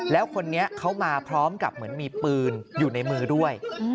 แล้วคนนี้เขามาพร้อมกับเหมือนมีปืนอยู่ในมือด้วย